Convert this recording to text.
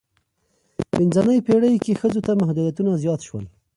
منځنۍ پیړۍ کې ښځو ته محدودیتونه زیات شول.